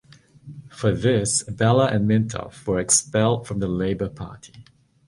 For this Abela and Mintoff were expelled from the Labour Party.